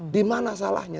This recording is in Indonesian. di mana salahnya